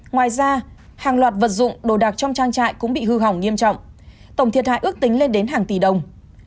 ngoài ra hàng loạt vật dụng đồ đạc trong trang trại cũng bị hư hỏng nghiêm trọng tổng thiệt hại ước tính lên đến hàng tỷ đồng